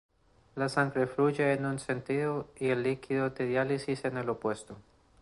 La sangre fluye en un sentido y el líquido de diálisis en el opuesto.